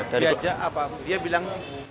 diajak apa dia bilang